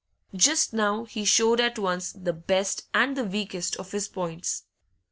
Just now he showed at once the best and the weakest of his points.